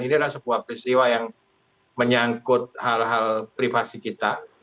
ini adalah sebuah peristiwa yang menyangkut hal hal privasi kita